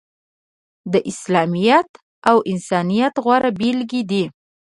د اسلامیت او انسانیت غوره بیلګې دي.